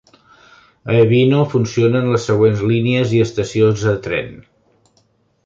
A Ebino funcionen les següents línies i estacions de tren.